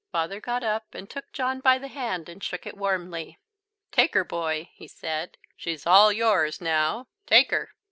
Father got up and took John by the hand and shook it warmly. "Take her, boy," he said. "She's all yours now, take her."